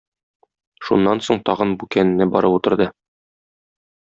Шуннан соң тагын бүкәненә барып утырды.